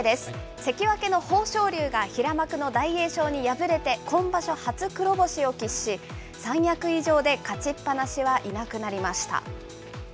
関脇の豊昇龍が平幕の大栄翔に敗れて、今場所初黒星を喫し、三役以上で勝ちっ放しはいなくなりました。